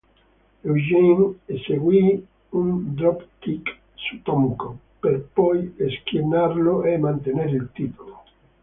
Eugene eseguì un dropkick su Tomko per poi schienarlo e mantenere il titolo.